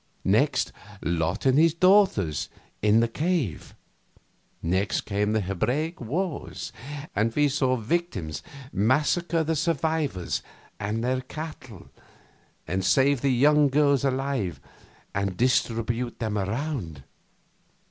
Next, Lot and his daughters in the cave. Next came the Hebraic wars, and we saw the victims massacre the survivors and their cattle, and save the young girls alive and distribute them around.